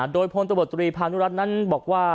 โดยผลตบตรีพาณุรัตน์นั้นบอกว่า